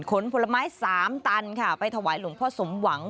ผลไม้๓ตันค่ะไปถวายหลวงพ่อสมหวัง